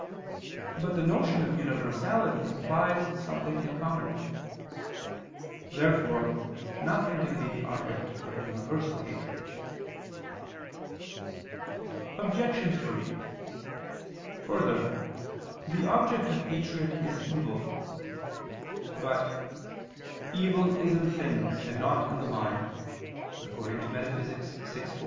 But the notion of universality implies something in common. Therefore nothing can be the object of universal hatred. Obj. 3: Further, the object of hatred is evil. But "evil is in things, and not in the mind" (Metaph. vi, 4).